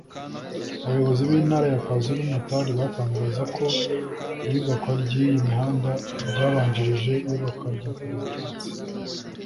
Abayobozi b’Intara ya KwaZulu Natal batangaza ko iyubakwa ry’iyi mihanda ryabanjirije iyubakwa rya Perezidansi